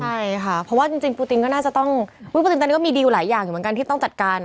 ใช่ค่ะเพราะว่าจริงปูตินก็น่าจะต้องปูตินตอนนี้ก็มีดีลหลายอย่างอยู่เหมือนกันที่ต้องจัดการ